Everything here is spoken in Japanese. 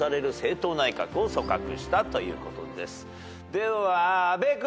では阿部君。